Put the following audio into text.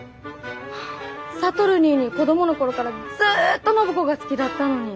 智ニーニー子供の頃からずっと暢子が好きだったのに。